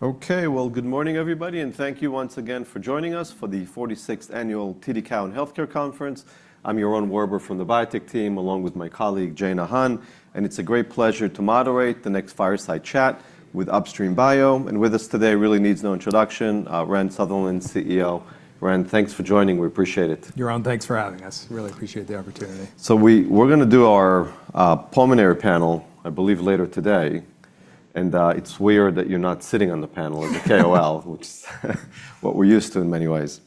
Okay. Well, good morning, everybody, thank you once again for joining us for the 46th Annual TD Cowen Healthcare Conference. I'm Yaron Werber from the biotech team, along with my colleague, Jaena Han. It's a great pleasure to moderate the next fireside chat with Upstream Bio. With us today really needs no introduction, Rand Sutherland, CEO. Rand, thanks for joining. We appreciate it. Yaron, thanks for having us. Really appreciate the opportunity. We're gonna do our pulmonary panel, I believe, later today. It's weird that you're not sitting on the panel as a KOL, which what we're used to in many ways.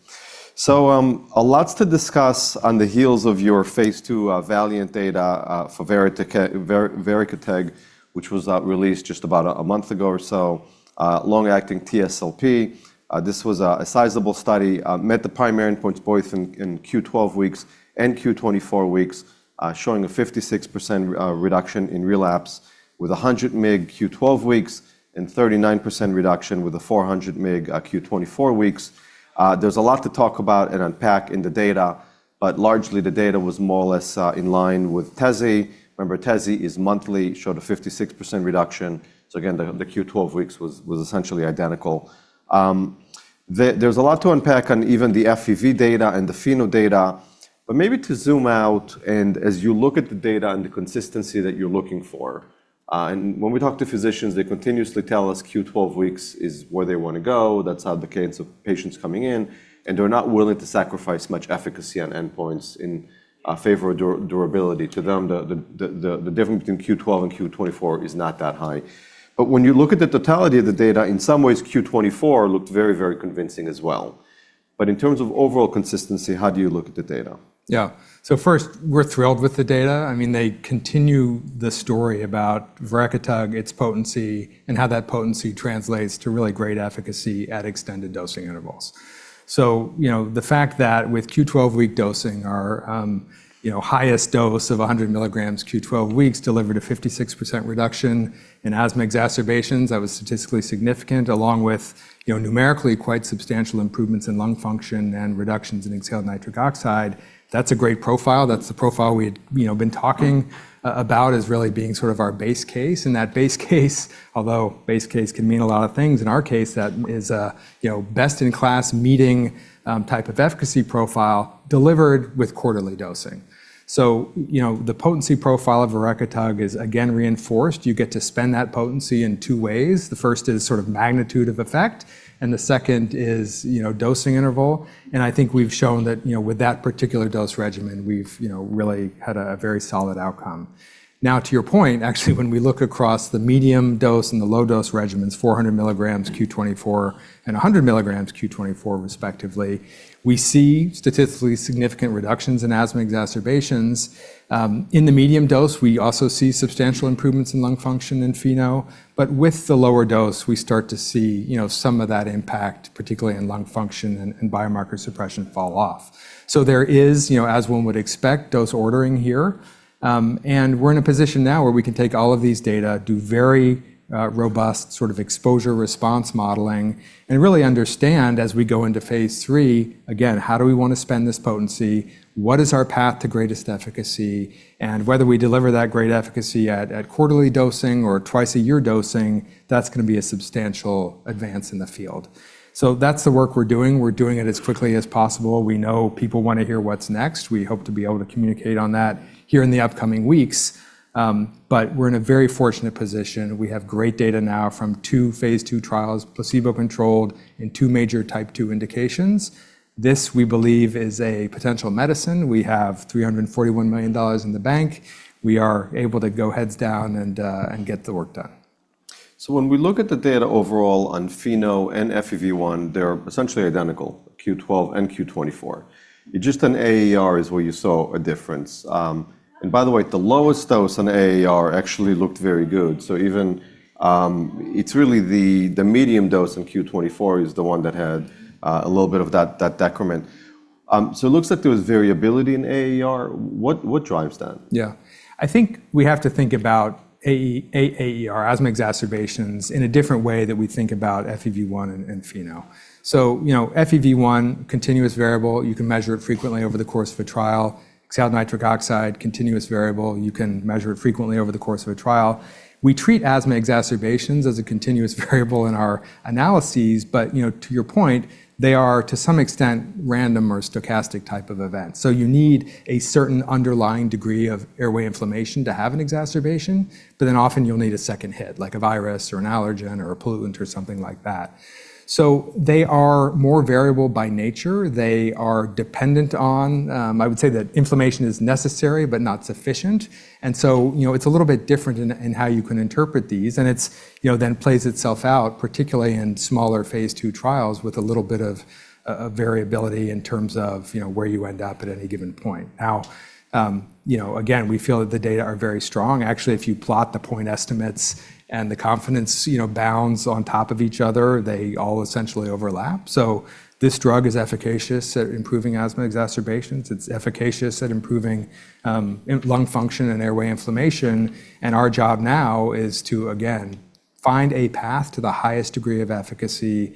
Lots to discuss on the heels of your phase II VALIANT data for verekitug, which was released just about a month ago or so, long-acting TSLP. This was a sizable study, met the primary endpoints both in Q12W and Q24W, showing a 56% reduction in relapse with a 100 mg Q12W and 39% reduction with a 400 mg at Q24W. There's a lot to talk about and unpack in the data, but largely the data was more or less in line with Teze. Remember, Teze is monthly, showed a 56% reduction. Again, the Q12W was essentially identical. There's a lot to unpack on even the FEV1 data and the FeNO data. Maybe to zoom out and as you look at the data and the consistency that you're looking for, and when we talk to physicians, they continuously tell us Q12W is where they wanna go. That's how the case of patients coming in, and they're not willing to sacrifice much efficacy on endpoints in favor of durability. To them, the difference between Q12W and Q24W is not that high. When you look at the totality of the data, in some ways, Q24W looked very, very convincing as well. In terms of overall consistency, how do you look at the data? Yeah. First, we're thrilled with the data. I mean, they continue the story about verekitug, its potency, and how that potency translates to really great efficacy at extended dosing intervals. You know, the fact that with Q12W dosing, our, you know, highest dose of 100 milligrams Q12W delivered a 56% reduction in asthma exacerbations, that was statistically significant, along with, you know, numerically quite substantial improvements in lung function and reductions in exhaled nitric oxide. That's a great profile. That's the profile we had, you know, been talking about as really being sort of our base case. That base case, although base case can mean a lot of things, in our case, that is a, you know, best-in-class meeting type of efficacy profile delivered with quarterly dosing. You know, the potency profile of verekitug is again reinforced. You get to spend that potency in two ways. The first is sort of magnitude of effect, and the second is, you know, dosing interval. I think we've shown that, you know, with that particular dose regimen, we've, you know, really had a very solid outcome. Now, to your point, actually, when we look across the medium dose and the low dose regimens, 400 mg Q24W and 100 mg Q24W, respectively, we see statistically significant reductions in asthma exacerbations. In the medium dose, we also see substantial improvements in lung function in FeNO. With the lower dose, we start to see, you know, some of that impact, particularly in lung function and biomarker suppression fall off. There is, you know, as one would expect, dose ordering here. We're in a position now where we can take all of these data, do very robust sort of exposure-response modeling, and really understand as we go into phase III, again, how do we wanna spend this potency, what is our path to greatest efficacy, and whether we deliver that great efficacy at quarterly dosing or twice-a-year dosing, that's gonna be a substantial advance in the field. That's the work we're doing. We're doing it as quickly as possible. We know people wanna hear what's next. We hope to be able to communicate on that here in the upcoming weeks. We're in a very fortunate position. We have great data now from two phase II trials, placebo-controlled in two major Type 2 indications. This, we believe, is a potential medicine. We have $341 million in the bank. We are able to go heads down and get the work done. When we look at the data overall on FeNO and FEV1, they're essentially identical, Q12 and Q24. It's just on AAER is where you saw a difference. By the way, the lowest dose on AAER actually looked very good. Even, it's really the medium dose in Q24W is the one that had a little bit of that decrement. It looks like there was variability in AAER. What, what drives that? I think we have to think about AAER, asthma exacerbations, in a different way that we think about FEV1 and FeNO. You know, FEV1, continuous variable, you can measure it frequently over the course of a trial. Exhaled nitric oxide, continuous variable, you can measure it frequently over the course of a trial. We treat asthma exacerbations as a continuous variable in our analyses, you know, to your point, they are to some extent random or stochastic type of event. You need a certain underlying degree of airway inflammation to have an exacerbation, often you'll need a second hit, like a virus or an allergen or a pollutant or something like that. They are more variable by nature. They are dependent on, I would say that inflammation is necessary but not sufficient. You know, it's a little bit different in how you can interpret these. It's, you know, then plays itself out, particularly in smaller phase II trials with a little bit of variability in terms of, you know, where you end up at any given point. Now, you know, again, we feel that the data are very strong. Actually, if you plot the point estimates and the confidence, you know, bounds on top of each other, they all essentially overlap. This drug is efficacious at improving asthma exacerbations. It's efficacious at improving lung function and airway inflammation. Our job now is to, again, find a path to the highest degree of efficacy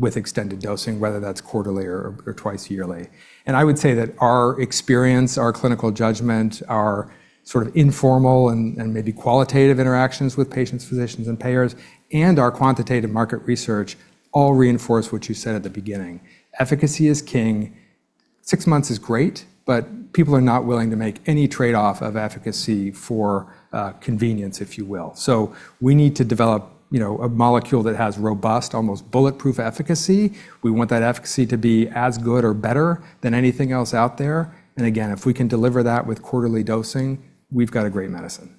with extended dosing, whether that's quarterly or twice yearly. I would say that our experience, our clinical judgment, our sort of informal and maybe qualitative interactions with patients, physicians, and payers, and our quantitative market research all reinforce what you said at the beginning. Efficacy is king. Six months is great, but people are not willing to make any trade-off of efficacy for convenience, if you will. We need to develop, you know, a molecule that has robust, almost bulletproof efficacy. We want that efficacy to be as good or better than anything else out there. Again, if we can deliver that with quarterly dosing, we've got a great medicine.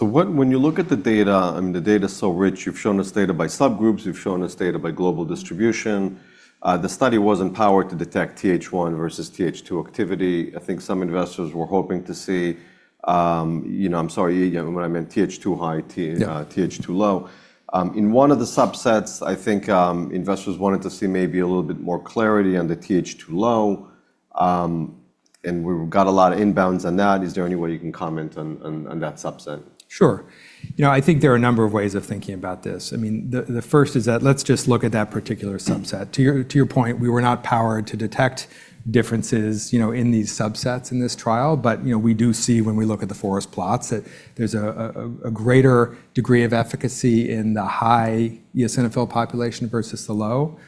When you look at the data, I mean, the data's so rich. You've shown us data by subgroups, you've shown us data by global distribution. The study wasn't powered to detect TH1 versus TH2 activity. I think some investors were hoping to see, you know, I'm sorry, yeah, what I meant TH2-high- Yeah.... T, TH2-low. In one of the subsets, I think, investors wanted to see maybe a little bit more clarity on the TH2-low. We've got a lot of inbounds on that. Is there any way you can comment on that subset? Sure. You know, I think there are a number of ways of thinking about this. I mean, the first is that let's just look at that particular subset. To your point, we were not powered to detect differences, you know, in these subsets in this trial. You know, we do see when we look at the forest plots that there's a greater degree of efficacy in the high eosinophil population versus the low.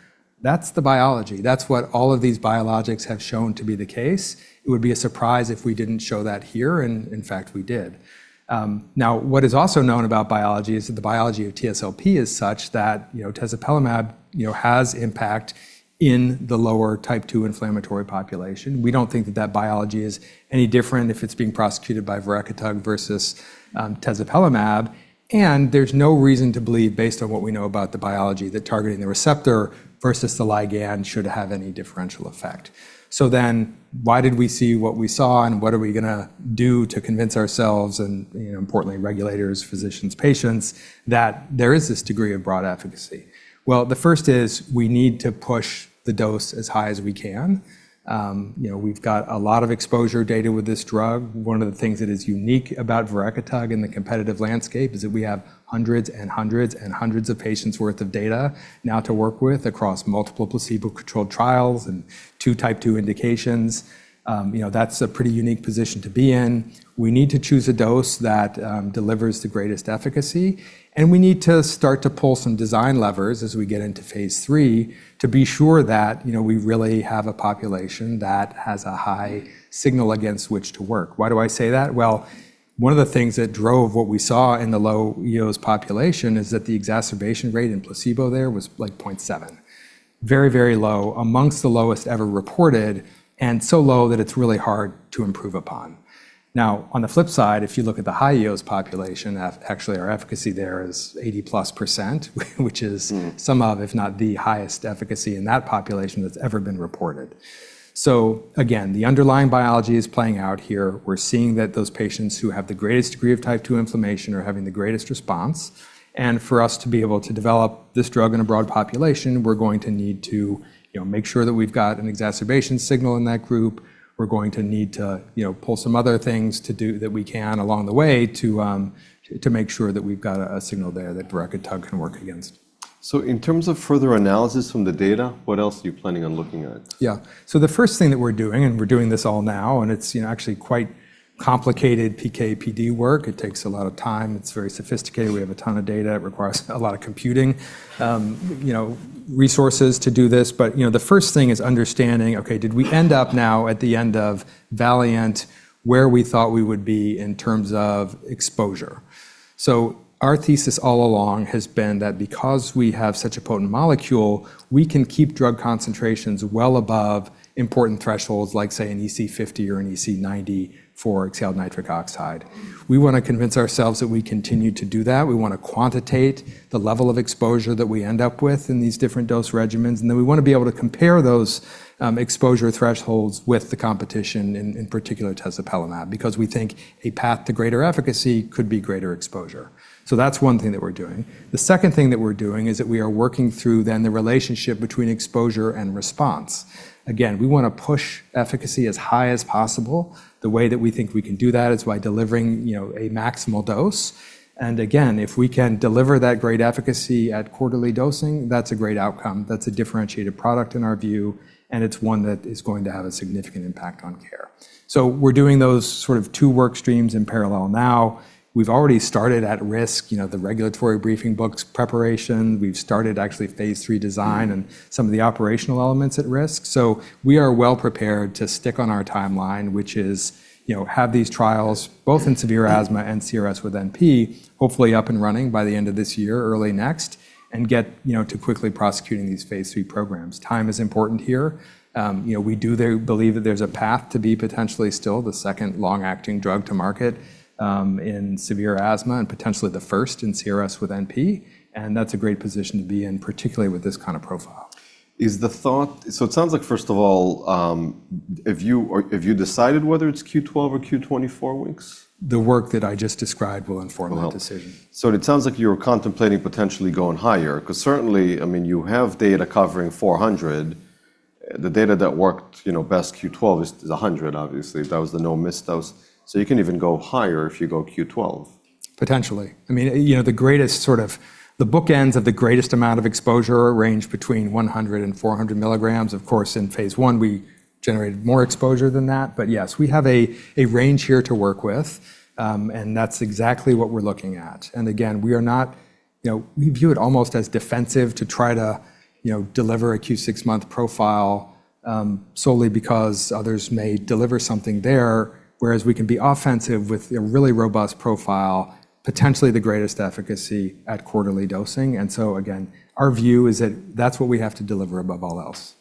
That's the biology. That's what all of these biologics have shown to be the case. It would be a surprise if we didn't show that here, and in fact, we did. Now what is also known about biology is that the biology of TSLP is such that, you know, tezepelumab, you know, has impact in the lower Type 2 inflammatory population. We don't think that that biology is any different if it's being prosecuted by verekitug versus tezepelumab, and there's no reason to believe, based on what we know about the biology, that targeting the receptor versus the ligand should have any differential effect. Why did we see what we saw and what are we gonna do to convince ourselves and, you know, importantly regulators, physicians, patients, that there is this degree of broad efficacy? Well, the first is we need to push the dose as high as we can. You know, we've got a lot of exposure data with this drug. One of the things that is unique about verekitug in the competitive landscape is that we have hundreds and hundreds and hundreds of patients' worth of data now to work with across multiple placebo-controlled trials and two Type 2 indications. You know, that's a pretty unique position to be in. We need to choose a dose that delivers the greatest efficacy, and we need to start to pull some design levers as we get into phase III to be sure that, you know, we really have a population that has a high signal against which to work. Why do I say that? Well, one of the things that drove what we saw in the low EOS population is that the exacerbation rate in placebo there was like 0.7. Very, very low, amongst the lowest ever reported, and so low that it's really hard to improve upon. Now, on the flip side, if you look at the high EOS population, actually our efficacy there is 80%+, which is. Mm.... some of, if not the highest efficacy in that population that's ever been reported. Again, the underlying biology is playing out here. We're seeing that those patients who have the greatest degree of Type 2 inflammation are having the greatest response. For us to be able to develop this drug in a broad population, we're going to need to, you know, make sure that we've got an exacerbation signal in that group. We're going to need to, you know, pull some other things to do that we can along the way to make sure that we've got a signal there that verekitug can work against. In terms of further analysis from the data, what else are you planning on looking at? The first thing that we're doing, we're doing this all now, and it's, you know, actually quite complicated PK/PD work. It takes a lot of time. It's very sophisticated. We have a ton of data. It requires a lot of computing, you know, resources to do this. You know, the first thing is understanding, okay, did we end up now at the end of VALIANT where we thought we would be in terms of exposure? Our thesis all along has been that because we have such a potent molecule, we can keep drug concentrations well above important thresholds, like say an EC50 or an EC90 for exhaled nitric oxide. We wanna convince ourselves that we continue to do that. We wanna quantitate the level of exposure that we end up with in these different dose regimens, and then we wanna be able to compare those exposure thresholds with the competition, in particular tezepelumab, because we think a path to greater efficacy could be greater exposure. That's one thing that we're doing. The second thing that we're doing is that we are working through then the relationship between exposure and response. Again, we wanna push efficacy as high as possible. The way that we think we can do that is by delivering, you know, a maximal dose. Again, if we can deliver that great efficacy at quarterly dosing, that's a great outcome. That's a differentiated product in our view, and it's one that is going to have a significant impact on care. We're doing those sort of two work streams in parallel now. We've already started at risk, you know, the regulatory briefing books preparation. We've started actually phase III design- Mm-hmm... and some of the operational elements at risk. We are well prepared to stick on our timeline, which is, you know, have these trials both in severe asthma and CRSwNP, hopefully up and running by the end of this year, early next, and get, you know, to quickly prosecuting these phase III programs. Time is important here. You know, we do there believe that there's a path to be potentially still the second long-acting drug to market, in severe asthma and potentially the first in CRSwNP, and that's a great position to be in, particularly with this kind of profile. It sounds like, first of all, have you decided whether it's Q12 or Q24? The work that I just described will inform that decision. It sounds like you're contemplating potentially going higher, 'cause certainly, I mean, you have data covering 400. The data that worked, you know, best Q12 is 100 obviously. That was the no-miss dose. You can even go higher if you go Q12. Potentially. I mean, you know, the greatest sort of the bookends of the greatest amount of exposure range between 100 mg and 400 mg. Of course, in phase I we generated more exposure than that. Yes, we have a range here to work with, and that's exactly what we're looking at. Again, you know, we view it almost as defensive to try to, you know, deliver a Q six-month profile solely because others may deliver something there, whereas we can be offensive with a really robust profile, potentially the greatest efficacy at quarterly dosing. Again, our view is that that's what we have to deliver above all else.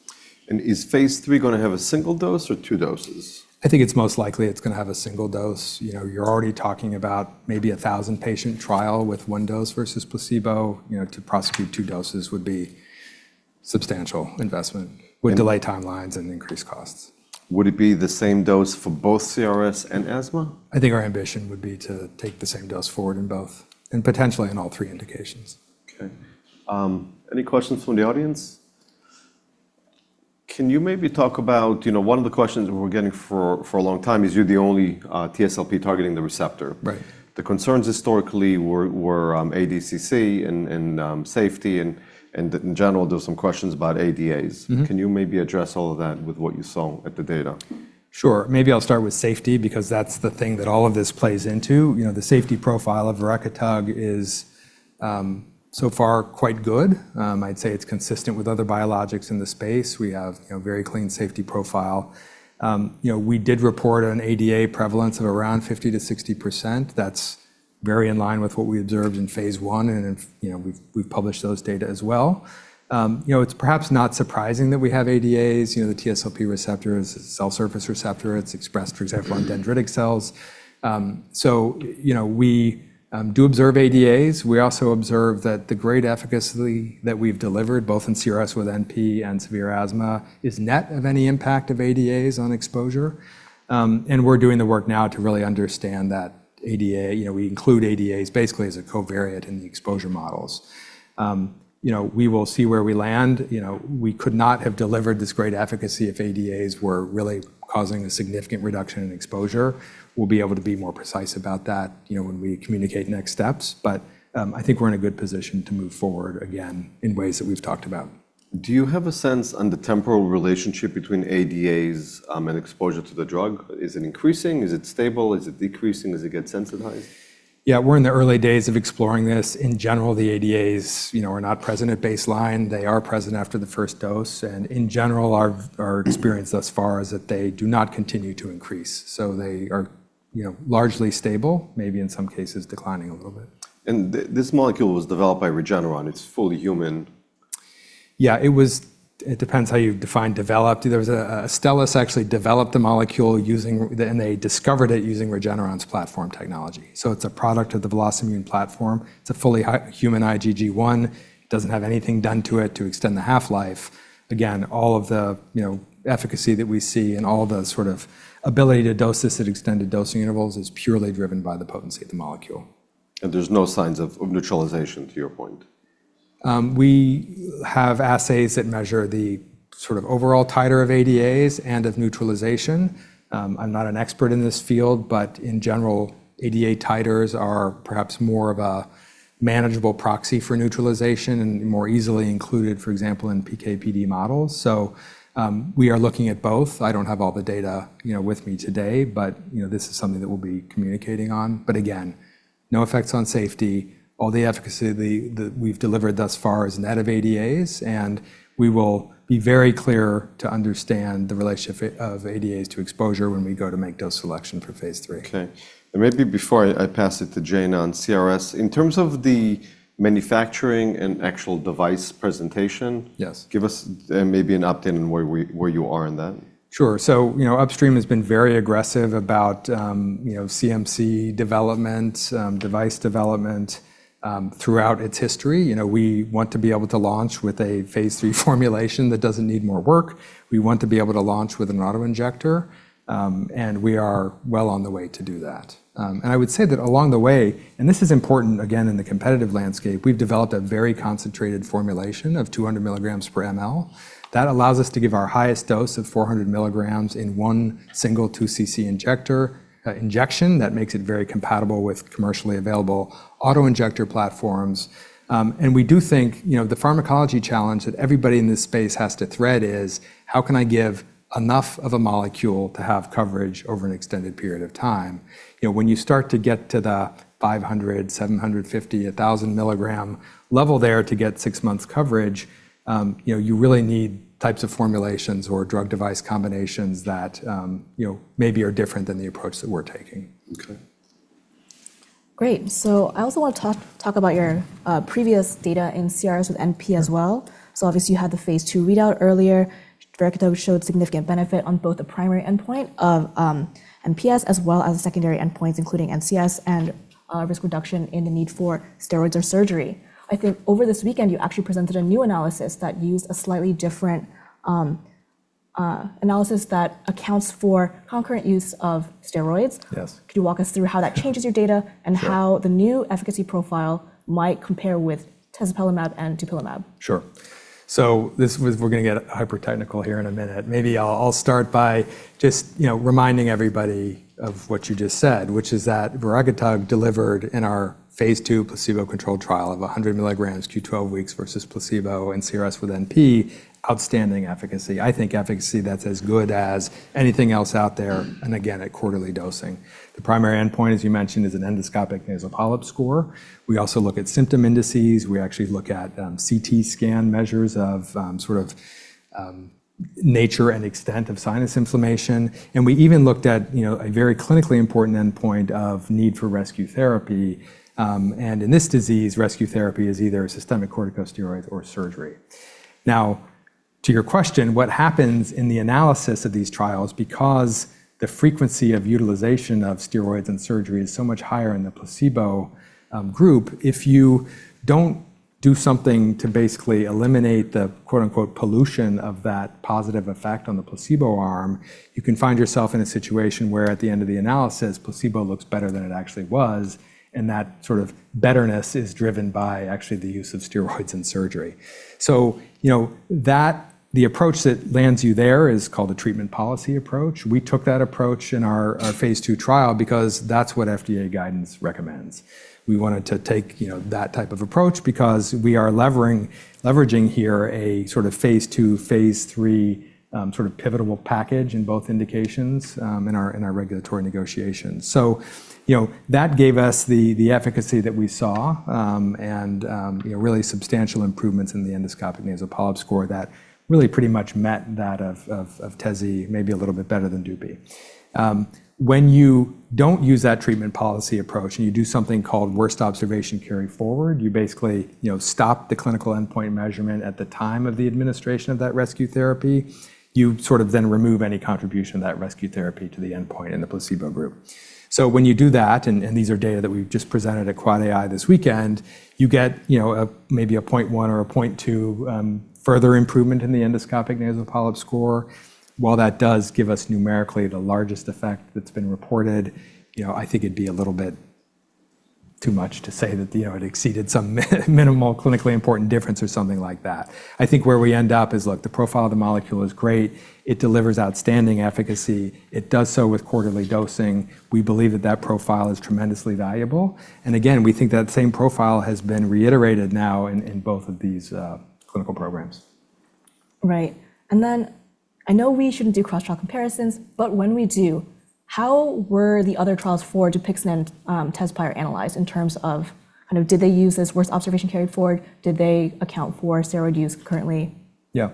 Is phase III gonna have a single dose or II doses? I think it's most likely it's gonna have a single dose. You know, you're already talking about maybe a 1,000-patient trial with one dose versus placebo. You know, to prosecute two doses would be substantial investment with delayed timelines and increased costs. Would it be the same dose for both CRS and asthma? I think our ambition would be to take the same dose forward in both, and potentially in all three indications. Okay. Any questions from the audience? Can you maybe talk about, you know, one of the questions that we're getting for a long time is you're the only TSLP targeting the receptor? Right. The concerns historically were ADCC and safety and in general, there were some questions about ADAs. Mm-hmm. Can you maybe address all of that with what you saw at the data? Maybe I'll start with safety because that's the thing that all of this plays into. You know, the safety profile of verekitug is so far quite good. I'd say it's consistent with other biologics in the space. We have, you know, a very clean safety profile. You know, we did report an ADAs prevalence of around 50%-60%. That's very in line with what we observed in phase I, and, you know, we've published those data as well. You know, it's perhaps not surprising that we have ADAs. You know, the TSLP receptor is a cell surface receptor. It's expressed, for example, on dendritic cells. You know, we do observe ADAs. We also observe that the great efficacy that we've delivered both in CRSwNP and severe asthma is net of any impact of ADAs on exposure. We're doing the work now to really understand that ADAs. You know, we include ADAs basically as a covariate in the exposure models. You know, we will see where we land. You know, we could not have delivered this great efficacy if ADAs were really causing a significant reduction in exposure. We'll be able to be more precise about that, you know, when we communicate next steps. I think we're in a good position to move forward again in ways that we've talked about. Do you have a sense on the temporal relationship between ADAs and exposure to the drug? Is it increasing? Is it stable? Is it decreasing as it gets sensitized? Yeah. We're in the early days of exploring this. In general, the ADAs, you know, are not present at baseline. They are present after the first dose. In general, our experience thus far is that they do not continue to increase. They are, you know, largely stable, maybe in some cases declining a little bit. This molecule was developed by Regeneron. It's fully human. Yeah, it depends how you define developed. Astellas actually developed the molecule and they discovered it using Regeneron's platform technology. It's a product of the VelocImmune platform. It's a fully human IgG1. Doesn't have anything done to it to extend the half-life. Again, all of the, you know, efficacy that we see and all the sort of ability to dose this at extended dosing intervals is purely driven by the potency of the molecule. There's no signs of neutralization to your point? We have assays that measure the sort of overall titer of ADAs and of neutralization. I'm not an expert in this field. In general, ADA titers are perhaps more of a manageable proxy for neutralization and more easily included, for example, in PK/PD models. We are looking at both. I don't have all the data, you know, with me today. This is something that we'll be communicating on. Again, no effects on safety. All the efficacy that we've delivered thus far is net of ADAs, and we will be very clear to understand the relationship of ADAs to exposure when we go to make dose selection for phase III. Okay. maybe before I pass it to Jaena on CRS, in terms of the manufacturing and actual device presentation... Yes. Give us, maybe an update on where you are in that. Sure. You know, Upstream has been very aggressive about, you know, CMC development, device development, throughout its history. You know, we want to be able to launch with a phase III formulation that doesn't need more work. We want to be able to launch with an auto-injector, and we are well on the way to do that. I would say that along the way, and this is important again in the competitive landscape, we've developed a very concentrated formulation of 200 mg/mL. That allows us to give our highest dose of 400 mg in one single two cc injector, injection. That makes it very compatible with commercially available auto-injector platforms. We do think, you know, the pharmacology challenge that everybody in this space has to thread is, how can I give enough of a molecule to have coverage over an extended period of time? You know, when you start to get to the 500 mg, 750 mg, 1,000 mg level there to get six months coverage, you know, you really need types of formulations or drug device combinations that, you know, maybe are different than the approach that we're taking. Okay. Great. I also want to talk about your previous data in CRS with NP as well. Obviously, you had the phase II readout earlier. Verekitug showed significant benefit on both the primary endpoint of NPS as well as the secondary endpoints, including NCS and risk reduction in the need for steroids or surgery. I think over this weekend, you actually presented a new analysis that used a slightly different analysis that accounts for concurrent use of steroids. Yes. Could you walk us through how that changes your data... Sure. How the new efficacy profile might compare with tezepelumab and dupilumab? Sure. We're gonna get hyper-technical here in a minute. Maybe I'll start by just, you know, reminding everybody of what you just said, which is that verekitug delivered in our phase II placebo-controlled trial of 100 mg Q12W versus placebo in CRSwNP, outstanding efficacy. I think efficacy that's as good as anything else out there, and again, at quarterly dosing. The primary endpoint, as you mentioned, is an endoscopic nasal polyp score. We also look at symptom indices. We actually look at CT scan measures of sort of Nature and extent of sinus inflammation, and we even looked at, you know, a very clinically important endpoint of need for rescue therapy. In this disease, rescue therapy is either a systemic corticosteroid or surgery. Now, to your question, what happens in the analysis of these trials because the frequency of utilization of steroids and surgery is so much higher in the placebo group, if you don't do something to basically eliminate the quote unquote pollution of that positive effect on the placebo arm, you can find yourself in a situation where at the end of the analysis, placebo looks better than it actually was, and that sort of betterness is driven by actually the use of steroids and surgery. You know, the approach that lands you there is called a treatment policy approach. We took that approach in our phase II trial because that's what FDA guidance recommends. We wanted to take, you know, that type of approach because we are leveraging here a sort of phase II, phase III sort of pivotable package in both indications in our, in our regulatory negotiations. You know, that gave us the efficacy that we saw, and, you know, really substantial improvements in the endoscopic nasal polyp score that really pretty much met that of Teze, maybe a little bit better than Dupixent. When you don't use that treatment policy approach and you do something called worst observation carry forward, you basically, you know, stop the clinical endpoint measurement at the time of the administration of that rescue therapy. You sort of then remove any contribution of that rescue therapy to the endpoint in the placebo group. When you do that, and these are data that we've just presented at AAAAI this weekend, you get, you know, a maybe a 0.1 or a 0.2 further improvement in the endoscopic nasal polyp score. While that does give us numerically the largest effect that's been reported, you know, I think it'd be a little bit too much to say that, you know, it exceeded some minimal clinically important difference or something like that. I think where we end up is, look, the profile of the molecule is great. It delivers outstanding efficacy. It does so with quarterly dosing. We believe that that profile is tremendously valuable. Again, we think that same profile has been reiterated now in both of these clinical programs. Right. I know we shouldn't do cross trial comparisons, but when we do, how were the other trials for Dupixent, Tezspire analyzed in terms of, you know, did they use this worst observation carry forward? Did they account for steroid use currently? Yeah.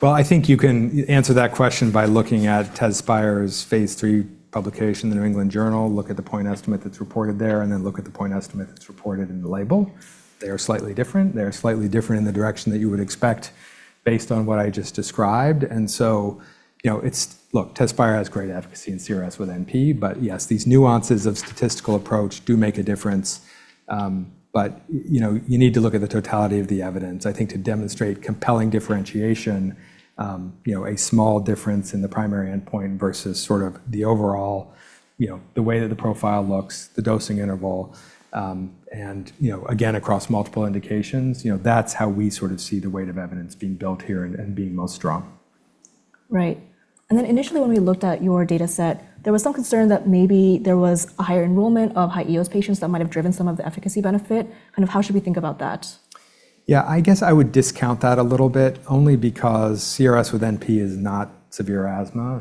Well, I think you can answer that question by looking at Tezspire's phase III publication in the New England Journal. Look at the point estimate that's reported there, and then look at the point estimate that's reported in the label. They are slightly different. They're slightly different in the direction that you would expect based on what I just described. you know, it's look, Tezspire has great efficacy in CRSwNP, but yes, these nuances of statistical approach do make a difference. you know, you need to look at the totality of the evidence, I think, to demonstrate compelling differentiation, you know, a small difference in the primary endpoint versus sort of the overall, you know, the way that the profile looks, the dosing interval, and, you know, again, across multiple indications. You know, that's how we sort of see the weight of evidence being built here and being most strong. Right. Then initially when we looked at your data set, there was some concern that maybe there was a higher enrollment of high EOS patients that might have driven some of the efficacy benefit. Kind of how should we think about that? Yeah. I guess I would discount that a little bit only because CRSwNP is not severe asthma.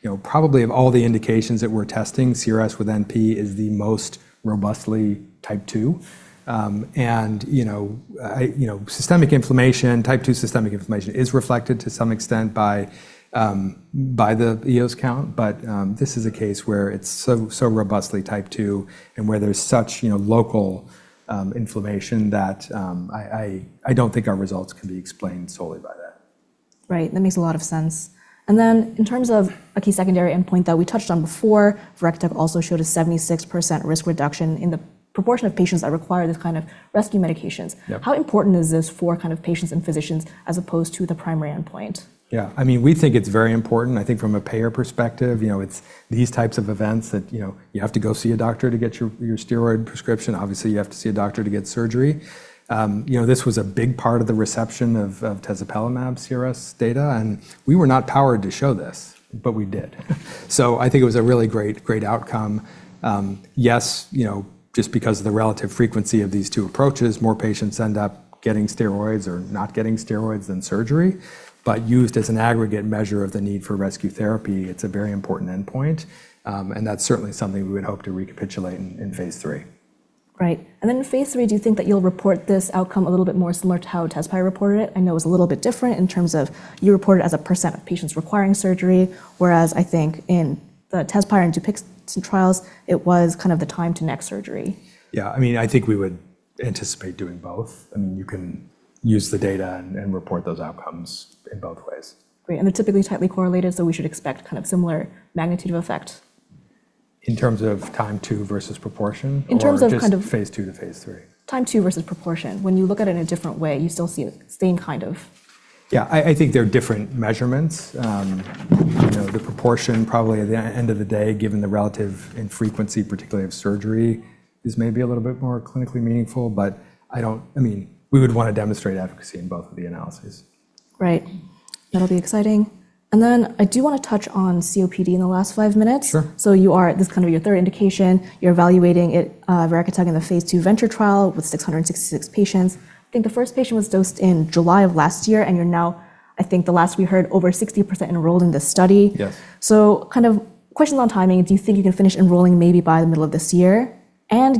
you know, probably of all the indications that we're testing, CRSwNP is the most robustly Type 2. you know, you know, systemic inflammation, Type 2 systemic inflammation is reflected to some extent by the EOS count. this is a case where it's so robustly Type 2 and where there's such, you know, local inflammation that I don't think our results can be explained solely by that. Right. That makes a lot of sense. In terms of a key secondary endpoint that we touched on before, verekitug also showed a 76% risk reduction in the proportion of patients that require this kind of rescue medications. Yeah. How important is this for kind of patients and physicians as opposed to the primary endpoint? Yeah. I mean, we think it's very important. I think from a payer perspective, you know, it's these types of events that, you know, you have to go see a doctor to get your steroid prescription. Obviously, you have to see a doctor to get surgery. You know, this was a big part of the reception of tezepelumab CRS data, and we were not powered to show this, but we did. I think it was a really great outcome. Yes, you know, just because of the relative frequency of these two approaches, more patients end up getting steroids or not getting steroids than surgery, but used as an aggregate measure of the need for rescue therapy, it's a very important endpoint. That's certainly something we would hope to recapitulate in phase III. Right. Phase III, do you think that you'll report this outcome a little bit more similar to how Tezspire reported it? I know it was a little bit different in terms of you report it as a percent of patients requiring surgery, whereas I think in the Tezspire and Dupixent trials, it was kind of the time to next surgery. Yeah. I mean, I think we would anticipate doing both. I mean, you can use the data and report those outcomes in both ways. Great. They're typically tightly correlated, so we should expect kind of similar magnitude of effect. In terms of time to versus proportion? In terms of kind of- Just phase II to phase III? Type 2 versus proportion. When you look at it in a different way, you still see the same kind of... Yeah. I think they're different measurements. You know, the proportion probably at the end of the day, given the relative infrequency, particularly of surgery, is maybe a little bit more clinically meaningful. I mean, we would wanna demonstrate efficacy in both of the analyses. Right. That'll be exciting. I do wanna touch on COPD in the last five minutes. Sure. You are. This is kind of your third indication. You're evaluating it, verekitug in the phase II VALIANT trial with 666 patients. I think the first patient was dosed in July of last year, and you're now, I think the last we heard, over 60% enrolled in this study. Yes. Kind of question on timing. Do you think you can finish enrolling maybe by the middle of this year?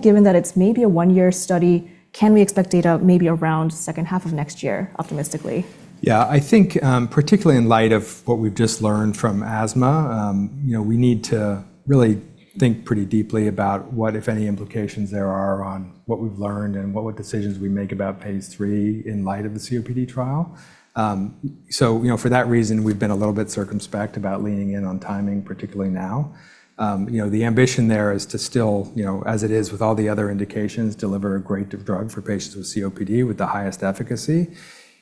Given that it's maybe a one-year study, can we expect data maybe around second half of next year, optimistically? Yeah. I think, particularly in light of what we've just learned from asthma, you know, we need to really think pretty deeply about what, if any, implications there are on what we've learned and what decisions we make about phase III in light of the COPD trial. You know, for that reason, we've been a little bit circumspect about leaning in on timing, particularly now. You know, the ambition there is to still, you know, as it is with all the other indications, deliver a great drug for patients with COPD with the highest efficacy.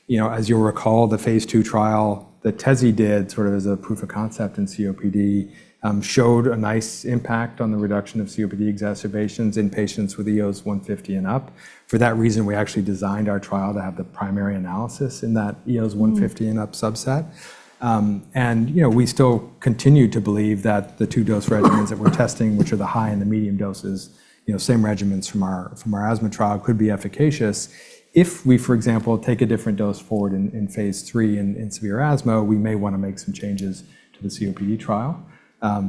You know, as you'll recall, the phase II trial that Teze did sort of as a proof of concept in COPD, showed a nice impact on the reduction of COPD exacerbations in patients with EOS 150 and up. For that reason, we actually designed our trial to have the primary analysis in that EOS 150 and up subset. you know, we still continue to believe that the two dose regimens that we're testing, which are the high and the medium doses, you know, same regimens from our asthma trial, could be efficacious if we, for example, take a different dose forward in phase III in severe asthma, we may wanna make some changes to the COPD trial.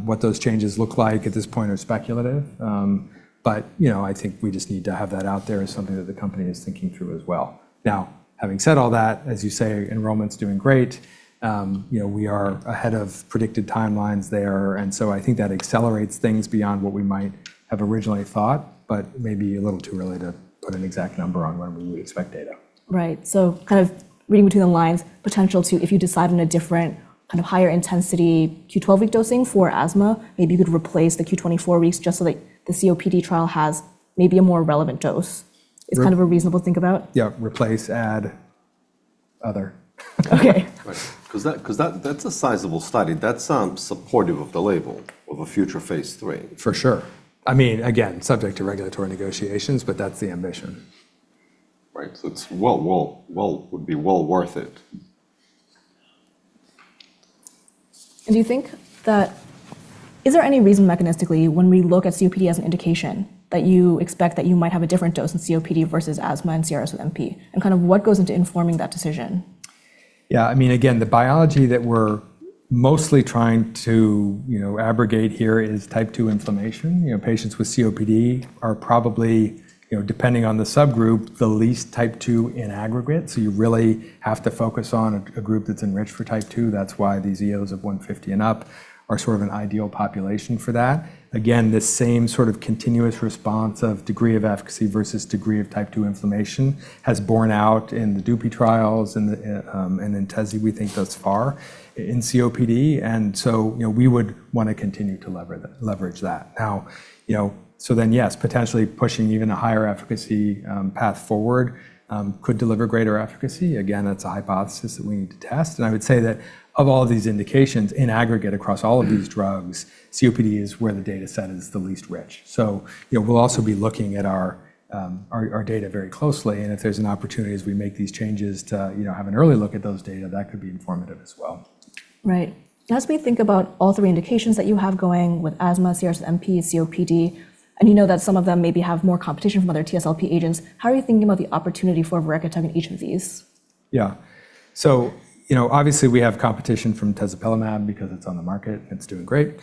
What those changes look like at this point are speculative. you know, I think we just need to have that out there as something that the company is thinking through as well. Now, having said all that, as you say, enrollment's doing great. You know, we are ahead of predicted timelines there, and so I think that accelerates things beyond what we might have originally thought, but may be a little too early to put an exact number on when we would expect data. Right. kind of reading between the lines, potential to, if you decide on a different kind of higher intensity Q12W dosing for asthma, maybe you could replace the Q24W just so that the COPD trial has maybe a more relevant dose. Right. Is kind of a reasonable think about? Yeah. Replace, add, other. Okay. Right. 'Cause that's a sizable study. That's supportive of the label of a future phase III. For sure. I mean, again, subject to regulatory negotiations, but that's the ambition. Right. Would be well worth it. Is there any reason mechanistically when we look at COPD as an indication that you expect that you might have a different dose in COPD versus asthma and CRSwNP, and kind of what goes into informing that decision? Yeah, I mean, again, the biology that we're mostly trying to, you know, abrogate here is Type 2 inflammation. You know, patients with COPD are probably, you know, depending on the subgroup, the least Type 2 in aggregate. You really have to focus on a group that's enriched for Type 2. That's why these EOS of 150 and up are sort of an ideal population for that. Again, this same sort of continuous response of degree of efficacy versus degree of Type 2 inflammation has borne out in the Dupi trials and in Teze we think thus far in COPD. We would wanna continue to leverage that. Now, you know, yes, potentially pushing even a higher efficacy path forward could deliver greater efficacy. Again, that's a hypothesis that we need to test. I would say that of all of these indications in aggregate across all of these drugs, COPD is where the dataset is the least rich. You know, we'll also be looking at our data very closely, and if there's an opportunity as we make these changes to, you know, have an early look at those data, that could be informative as well. Right. As we think about all three indications that you have going with asthma, CRSwNP, COPD, and you know that some of them maybe have more competition from other TSLP agents, how are you thinking about the opportunity for verekitug in each of these? Yeah. You know, obviously we have competition from tezepelumab because it's on the market and it's doing great.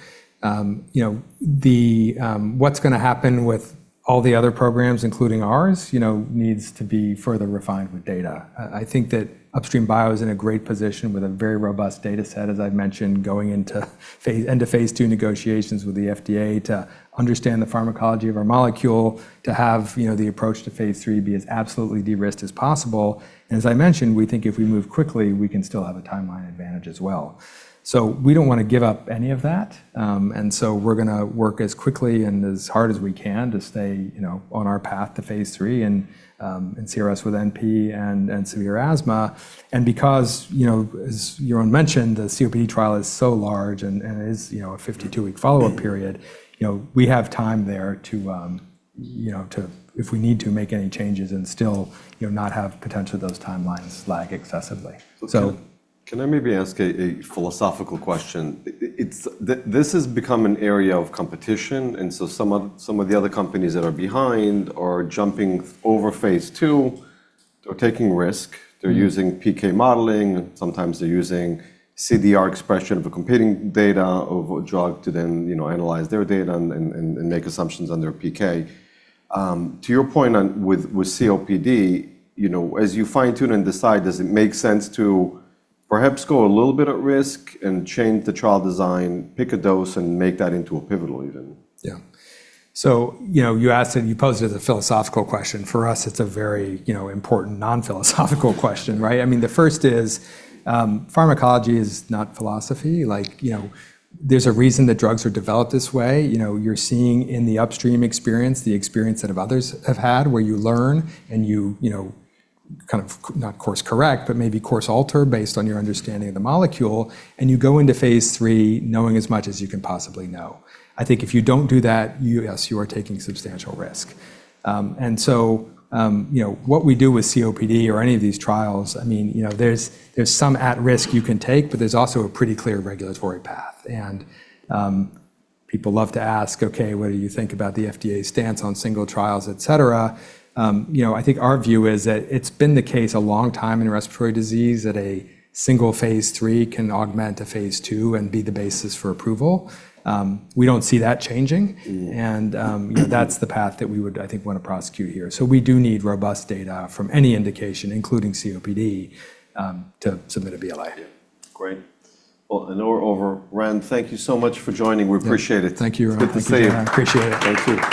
You know, the what's gonna happen with all the other programs, including ours, you know, needs to be further refined with data. I think that Upstream Bio is in a great position with a very robust data set, as I've mentioned, going into phase II negotiations with the FDA to understand the pharmacology of our molecule, to have, you know, the approach to phase III be as absolutely de-risked as possible. As I mentioned, we think if we move quickly, we can still have a timeline advantage as well. We don't want to give up any of that. We're gonna work as quickly and as hard as we can to stay, you know, on our path to phase III and in CRS with MP and severe asthma. Because, you know, as Yaron mentioned, the COPD trial is so large and is, you know, a 52-week follow-up period, you know, we have time there to, you know, to if we need to make any changes and still, you know, not have potentially those timelines lag excessively. Can I maybe ask a philosophical question? This has become an area of competition. Some of the other companies that are behind are jumping over phase II. They're taking risk. They're using PK modeling, and sometimes they're using CDR expression of a competing data of a drug to then, you know, analyze their data and make assumptions on their PK. To your point on with COPD, you know, as you fine tune and decide, does it make sense to perhaps go a little bit at risk and change the trial design, pick a dose, and make that into a pivotal even? You know, you asked and you posed it as a philosophical question. For us, it's a very, you know, important non-philosophical question, right? I mean, the first is pharmacology is not philosophy. You know, there's a reason that drugs are developed this way. You know, you're seeing in the Upstream experience, the experience that of others have had, where you learn and you know, kind of not course correct, but maybe course alter based on your understanding of the molecule, and you go into phase III knowing as much as you can possibly know. I think if you don't do that, yes, you are taking substantial risk. You know, what we do with COPD or any of these trials, I mean, you know, there's some at risk you can take, but there's also a pretty clear regulatory path. People love to ask, "Okay, what do you think about the FDA stance on single trials, et cetera?" you know, I think our view is that it's been the case a long time in respiratory disease that a single phase III can augment a phase II and be the basis for approval. We don't see that changing. Mm. You know, that's the path that we would, I think, wanna prosecute here. We do need robust data from any indication, including COPD, to submit a BLA. Yeah. Great. Well, I know we're over. Ran, thank you so much for joining. We appreciate it. Thank you, Yaron. It's good to see you. Appreciate it. Thank you.